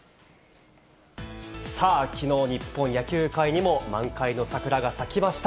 さあ、きのう、日本野球界にも満開の桜が咲きました。